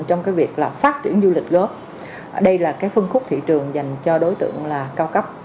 trong việc phát triển du lịch góp đây là phân khúc thị trường dành cho đối tượng cao cấp